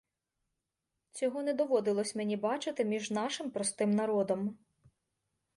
Цього не доводилось мені бачити між нашим простим народом!